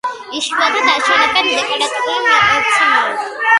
იშვიათად აშენებენ დეკორატიულ მცენარედ.